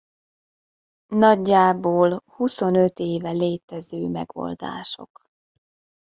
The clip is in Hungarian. Nagyjából huszonöt éve létező megoldások.